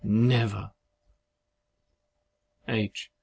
NEVER. H.